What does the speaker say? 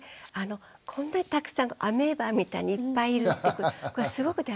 こんなにたくさんアメーバみたいにいっぱいいるってことこれすごく大事で。